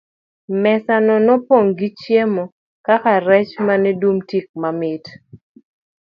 Mesa no nopong' gi chiemo kaka rech mane dum tik mamit.